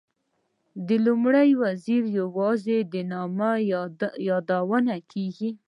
د لومړي وزیر یوازې د نامه یادونه کېږي.